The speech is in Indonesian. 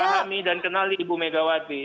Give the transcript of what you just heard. pahami dan kenali ibu megawati